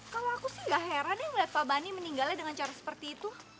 kalau aku sih gak heran yang melihat pak bani meninggalnya dengan cara seperti itu